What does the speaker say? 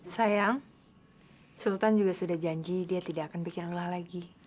sayang sultan juga sudah janji dia tidak akan bikin lelah lagi